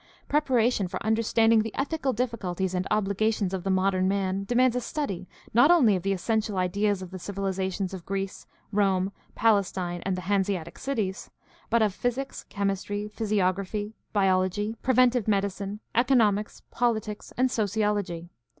Preparation for understanding the ethical difficulties and obligations of the modern man demands a study, not only of the essential ideas of the civilizations of Greece, Rome, Palestine, and the Hanseatic cities, but of physics, chemistry, physiography, biology, preventive medicine, economics, politics, and sociology.